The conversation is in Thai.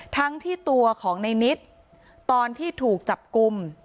ทั้งที่ตัวของในนิดตอนที่ถูกจับกลุ่ม